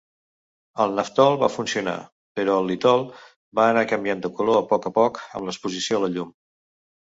El naftol va funcionar, però el litol va anar canviant de color a poc a poc amb l'exposició a la llum.